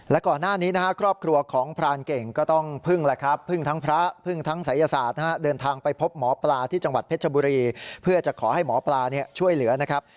และก่อนหน้านี้นะฮะครอบครัวของพรานเก่งก็ต้องพึ่งแล้วครับพึ่งทั้งพระพึ่งทั้งศัยศาสตร์เดินทางไปพบหมอปลาที่จังหวัดเพชรบุรีเพื่อจะขอให้หมอปลาช่วยเหลือนะครับ